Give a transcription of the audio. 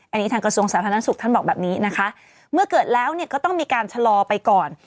อันนี้ทางกระทรวงสาธารณสุขท่านบอกแบบนี้นะคะเมื่อเกิดแล้วเนี่ยก็ต้องมีการชะลอไปก่อน